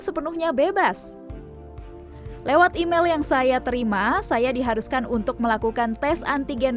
sepenuhnya bebas lewat email yang saya terima saya diharuskan untuk melakukan tes antigen